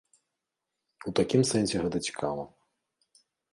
У такім сэнсе гэта цікава.